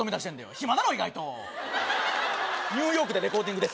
暇だろ意外と「ニューヨークでレコーディングです」